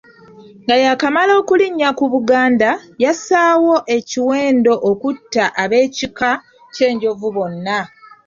Nga yaakamala okulinnya ku Buganda, yassaawo ekiwendo okutta ab'ekika ky'Enjovu bonna.